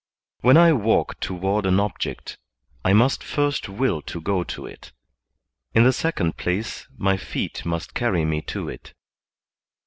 When I walk toward an object, I must first will to go to it; in the second place, my feet must carry me to it.